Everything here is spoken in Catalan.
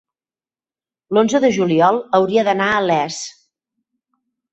l'onze de juliol hauria d'anar a Les.